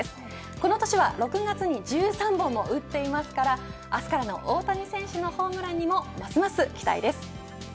この年は６月に１３本打っていますから明日からの大谷選手のホームランにもますます期待です。